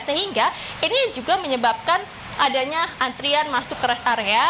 sehingga ini juga menyebabkan adanya antrian masuk ke rest area